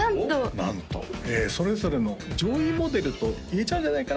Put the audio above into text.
なんとそれぞれの上位モデルと言えちゃうんじゃないかな？